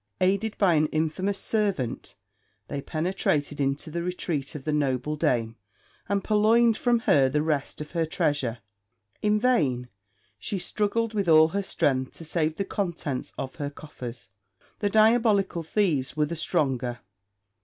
Aided by an infamous servant, they penetrated into the retreat of the noble dame, and purloined from her the rest of her treasure. In vain she struggled with all her strength to save the contents of her coffers; the diabolical thieves were the stronger.